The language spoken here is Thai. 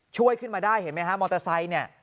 ช่วยขึ้นมาได้เห็นไหมฮะมอเตอร์ไซค์เนี่ย